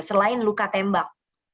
selain luka tembak